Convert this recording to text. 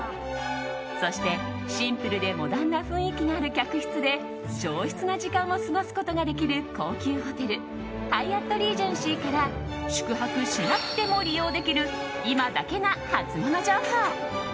そして、シンプルでモダンな雰囲気がある客室で上質な時間を過ごすことができる高級ホテルハイアットリージェンシーから宿泊しなくても利用できる今だけなハツモノ情報。